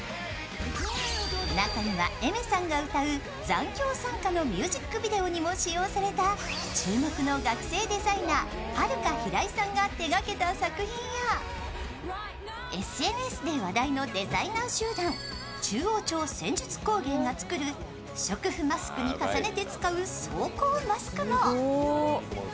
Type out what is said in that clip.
中にはＡｉｍｅｒさんが歌う「残響散歌」のミュージックビデオにも使用された注目の学生デザイナー、ＨＡＲＵＫＡＨＩＲＡＩさんが手掛けた作品や、ＳＮＳで話題のデザイナー集団中央町戦術工芸が作る不織布マスクに重ねて使う装甲マスクも。